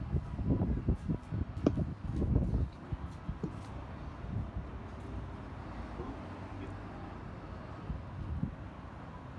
Sin embargo la restauración no se hizo efectiva.